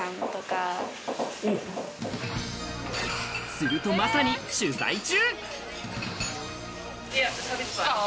すると、まさに取材中。